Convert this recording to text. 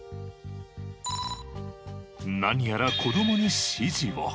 何やら子供に指示を。